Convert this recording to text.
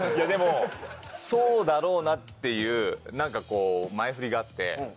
でもそうだろうなっていう何かこう前フリがあって。